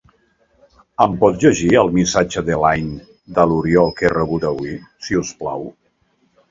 Em pots llegir el missatge de Line de l'Oriol que he rebut avui?